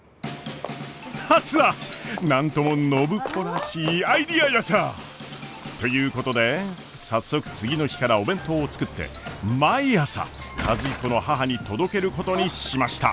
何とも暢子らしいアイデアヤサ！ということで早速次の日からお弁当を作って毎朝和彦の母に届けることにしました。